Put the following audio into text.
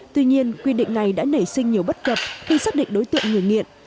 tuy nhiên quy định này đã nảy sinh nhiều bất cập khi xác định đối tượng người nghiện